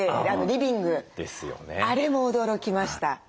あれも驚きました。